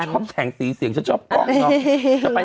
ชอบแสงสีเสียงฉันชอบกล้อง